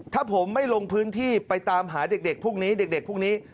ถ้าผมไม่ลงพื้นที่ไปตามหาเด็กพวกนี้